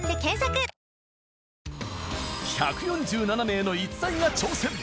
１４７名の逸材が挑戦！